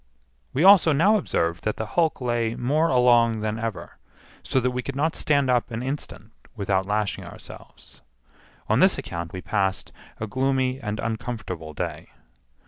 We also now observed that the hulk lay more along than ever, so that we could not stand an instant without lashing ourselves. On this account we passed a gloomy and uncomfortable day.